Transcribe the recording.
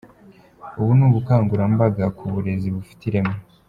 Ubu ni ubukangurambaga ku burezi bufite ireme.